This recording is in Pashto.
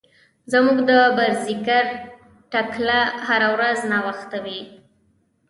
زموږ د بریځر ټکله هره ورځ ناوخته وي.